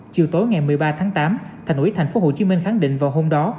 chiều tối ngày một mươi ba tháng tám thành ủy thành phố hồ chí minh khẳng định vào hôm đó